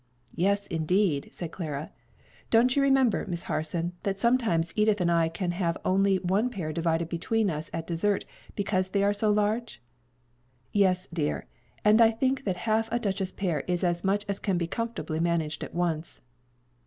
"Yes, indeed!" said Clara. "Don't you remember, Miss Harson, that sometimes Edith and I can have only one pear divided between us at dessert because they are so large?" "Yes, dear; and I think that half a duchess pear is as much as can be comfortably managed at once."